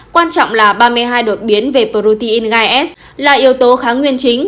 quan trọng là ba mươi hai đột biến về protein gai s là yếu tố kháng nguyên chính